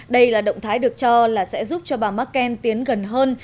đây là động thái được cho là sẽ giúp cho bà merkel tiến gần hơn